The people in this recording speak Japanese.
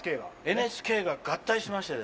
ＮＨＫが合体しましてですね。